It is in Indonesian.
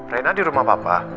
reina di rumah papa